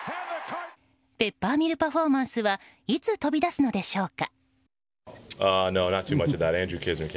ペッパーミルパフォーマンスはいつ飛び出すのでしょうか。